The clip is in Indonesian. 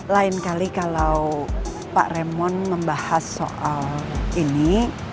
lain kali kalau pak remon membahas soal ini